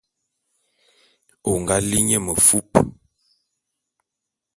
O nga li nye mefup.